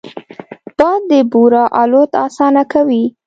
باد د بورا الوت اسانه کوي